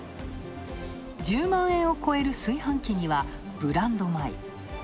１０万円を超える炊飯器にはブランド米。